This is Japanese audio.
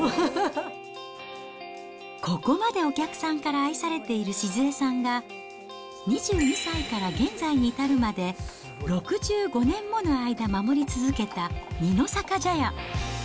ここまでお客さんから愛されている静恵さんが、２２歳から現在に至るまで、６５年もの間守り続けた二の坂茶屋。